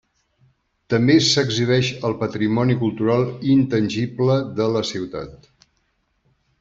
També s'exhibeix el patrimoni cultural intangible de la ciutat.